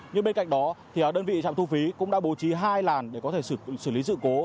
nhưng bên cạnh đó đơn vị trạm thu phí cũng đã bố trí hai làn để có thể xử lý sự cố